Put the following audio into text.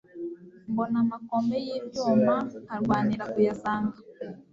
Mbona amakombe y'ibyuma nkarwanira kuyasanga.